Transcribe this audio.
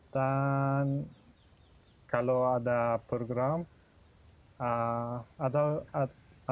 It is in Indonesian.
dan kalau ada program atau yang lain unhcr berkata kepada saya